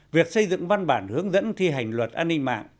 việc xây dựng văn bản hướng dẫn thi hành luật an ninh mạng